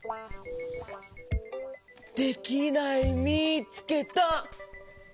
できないみつけた。